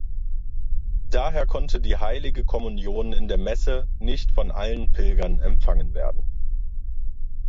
Daher konnte die heilige Kommunion in der Messe nicht von allen Pilgern empfangen werden.